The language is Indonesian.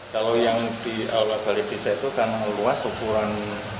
kalau yang di aula balik desa itu kan luas ukuran enam belas dua puluh dua